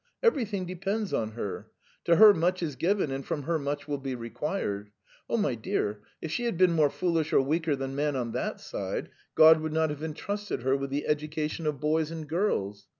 Everything depends on her. To her much is given and from her much will be required. Oh, my dear, if she had been more foolish or weaker than man on that side, God would not have entrusted her with the education of boys and girls.